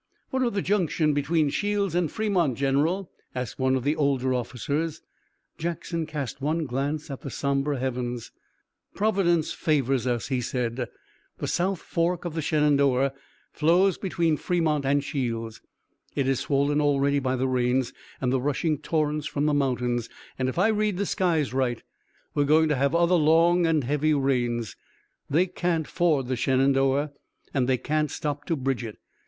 "What of the junction between Shields and Fremont, General?" asked one of the older officers. Jackson cast one glance at the somber heavens. "Providence favors us," he said. "The south fork of the Shenandoah flows between Fremont and Shields. It is swollen already by the rains and the rushing torrents from the mountains, and if I read the skies right we're going to have other long and heavy rains. They can't ford the Shenandoah and they can't stop to bridge it.